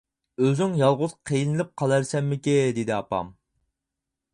-ئۆزۈڭ يالغۇز قىينىلىپ قالارسەنمىكىن، دېدى ئاپام.